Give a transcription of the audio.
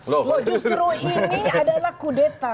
justru ini adalah kudeta